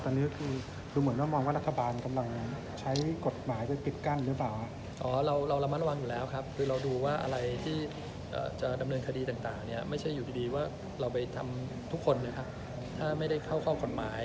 ก็ทยอยดูไปอันไหนยืนยันตัวตนได้แล้วเข้าความผิดเราก็ดำเนินการทำกฎหมาย